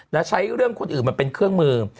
ใช้เรื่องคนอื่นมาเป็นเครื่องมือ